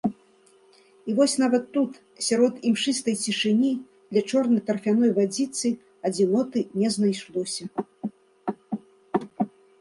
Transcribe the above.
І вось нават тут, сярод імшыстай цішыні, ля чорнай тарфяной вадзіцы, адзіноты не знайшлося.